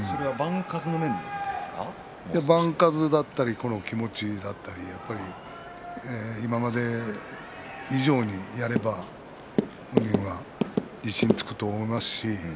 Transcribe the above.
番数だったり気持ちだったり今まで以上にやれば自信がつくと思います。